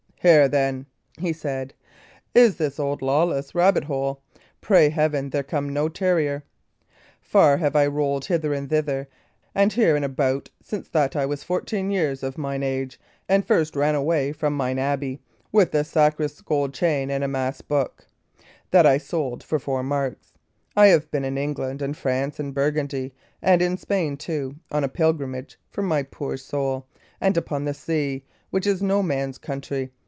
"Here, then," he said, "is this old Lawless's rabbit hole; pray Heaven there come no terrier! Far I have rolled hither and thither, and here and about, since that I was fourteen years of mine age and first ran away from mine abbey, with the sacrist's gold chain and a mass book that I sold for four marks. I have been in England and France and Burgundy, and in Spain, too, on a pilgrimage for my poor soul; and upon the sea, which is no man's country.